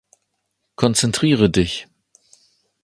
Konzentriere dich!